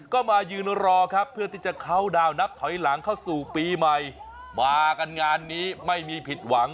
ก็มายืนรอครับเพื่อที่จะเข้าดาวนับถอยหลังเข้าสู่ปีใหม่มากันงานนี้ไม่มีผิดหวัง